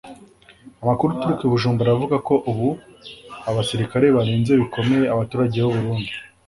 Amakuru aturuka i Bujumbura aravuga ko ubu abasirikare barinze bikomeye abaturage b’u Burundi